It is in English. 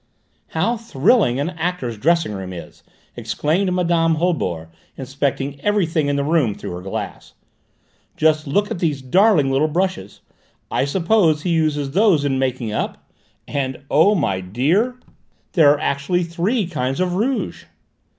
"How thrilling an actor's dressing room is!" exclaimed Mme. Holbord, inspecting everything in the room through her glass. "Just look at these darling little brushes! I suppose he uses those in making up? And, oh, my dear! There are actually three kinds of rouge!"